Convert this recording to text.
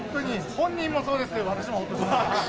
本人もそうですけど、私もほっとしました。